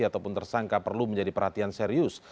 ataupun tersangka perlu menjadi perhatian serius